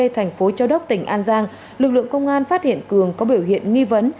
thành phố châu đốc tỉnh an giang lực lượng công an phát hiện cường có biểu hiện nghi vấn